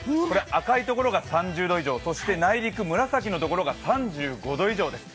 赤い所が３０度以上、そして内陸、紫のところが３５度以上です。